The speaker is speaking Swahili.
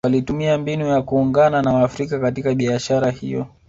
Walitumia mbinu ya kuungana na waafrika katika biashara hiyo